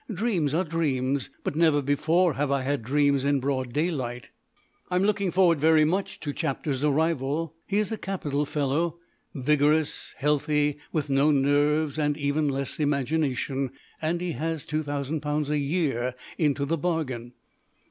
Dreams are dreams, but never before have I had dreams in broad daylight. I am looking forward very much to Chapter's arrival. He is a capital fellow, vigorous, healthy, with no nerves, and even less imagination; and he has £2,000 a year into the bargain.